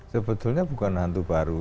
sebetulnya bukan hantu baru